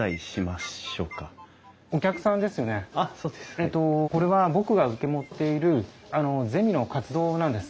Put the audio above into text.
えっとこれは僕が受け持っているゼミの活動なんです。